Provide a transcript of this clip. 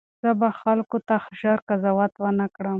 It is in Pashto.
زه به خلکو ته ژر قضاوت ونه کړم.